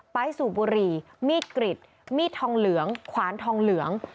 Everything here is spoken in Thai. สูบบุหรี่มีดกริดมีดทองเหลืองขวานทองเหลือง